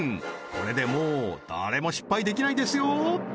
これでもう誰も失敗できないですよ